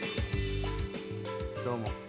どうも。